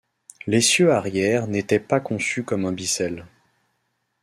L'essieu arrière n'était pas conçu comme un bissel.